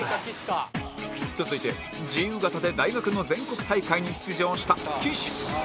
続いて自由形で大学の全国大会に出場した岸